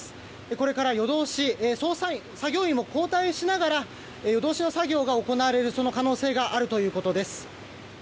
これから作業員を交代しながら夜通しの作業が行われる可能性があるということです。